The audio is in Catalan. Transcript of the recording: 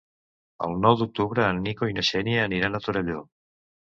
El nou d'octubre en Nico i na Xènia aniran a Torelló.